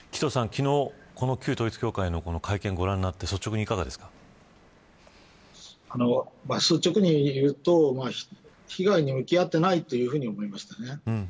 昨日、旧統一教会の会見をご覧になって率直に言うと被害に向き合ってないと思いました。